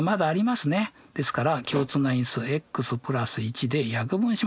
ですから共通な因数ｘ＋１で約分しましょう。